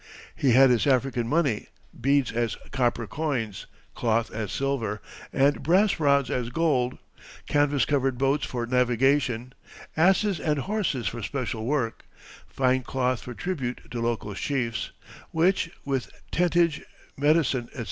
He had his African money beads as copper coins, cloth as silver, and brass rods as gold; canvas covered boats for navigation; asses and horses for special work; fine cloth for tribute to local chiefs, which, with tentage, medicine, etc.